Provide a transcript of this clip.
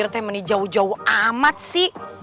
rumahnya bu kodir jauh jauh amat sih